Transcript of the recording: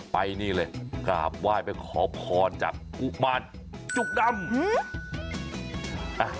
ไปนี่เลยกราบไหว้ไปขอพรจากกุมารจุกดำ